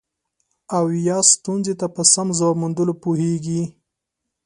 او یا ستونزې ته په سم ځواب موندلو پوهیږي.